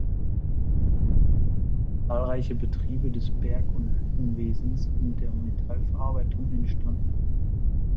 Zahlreiche Betriebe des Berg- und Hüttenwesens und der Metallverarbeitung entstanden.